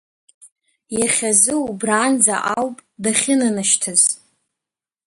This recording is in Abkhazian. Иахьазы убранӡа ауп дахьынанашьҭыз.